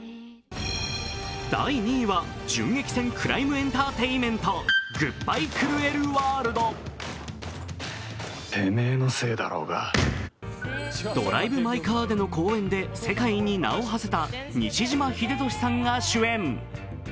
第２位は、銃撃戦クライム・エンターテインメント「グッバイ・クルエル・ワールド」「ドライブ・マイ・カー」での好演で世界に名をはせた西島秀俊さんが主演。